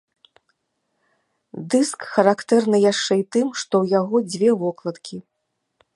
Дыск характэрны яшчэ і тым, што ў яго дзве вокладкі.